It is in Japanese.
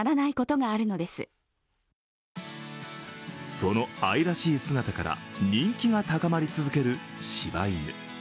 その愛らしい姿から人気が高まり続けるしば犬。